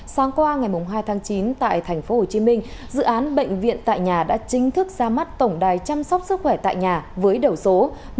sáng qua ngày hai tháng chín tại thành phố hồ chí minh dự án bệnh viện tại nhà đã chính thức ra mắt tổng đài chăm sóc sức khỏe tại nhà với đầu số một chín không không một hai bảy bảy